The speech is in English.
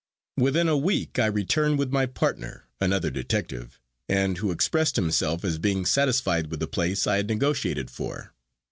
Within a week I returned with my partner (another detective) and who expressed himself as being satisfied with the place I had negotiated for.